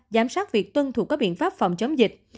giám sát việc tuân thủ các biện pháp phòng chống dịch